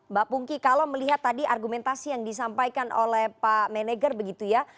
mbak pungki kalau melihat tadi argumentasi yang disampaikan oleh pak meneger begitu ya